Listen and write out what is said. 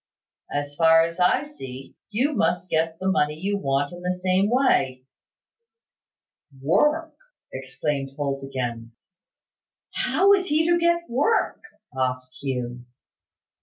As far as I see, you must get the money you want in the same way." "Work!" exclaimed Holt again. "How is he to get work?" asked Hugh.